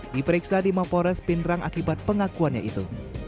diperiksa di mapores pindrang akibat pengakuannya itu